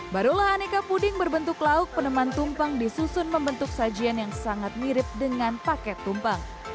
barulah aneka puding berbentuk lauk peneman tumpeng disusun membentuk sajian yang sangat mirip dengan paket tumpeng